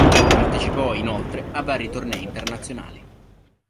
Partecipò, inoltre, a vari tornei internazionali.